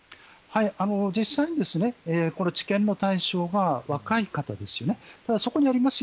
実際に治験の対象が若い方ですよね。